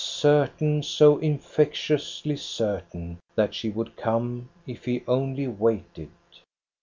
Certain, so infectiously certain, that she would come if he only waited